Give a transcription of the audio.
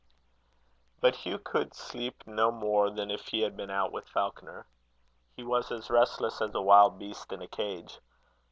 But Hugh could sleep no more than if he had been out with Falconer. He was as restless as a wild beast in a cage.